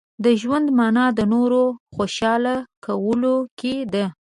• د ژوند مانا د نورو خوشحاله کولو کې ده.